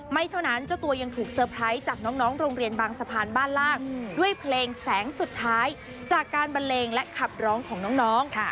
ไม่เท่านั้นเจ้าตัวยังถูกเตอร์ไพรส์จากน้องโรงเรียนบางสะพานบ้านล่างด้วยเพลงแสงสุดท้ายจากการบันเลงและขับร้องของน้อง